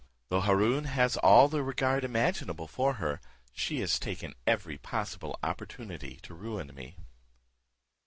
Though Haroon has all the regard imaginable for her, she has taken every possible opportunity to ruin me.